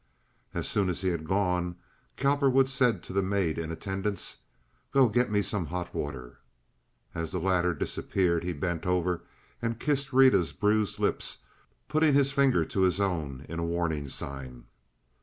As soon as he had gone Cowperwood said to the maid in attendance, "Go get me some hot water." As the latter disappeared he bent over and kissed Rita's bruised lips, putting his finger to his own in warning sign.